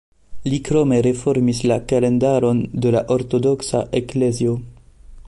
Li krome reformis la kalendaron de la Ortodoksa Eklezio.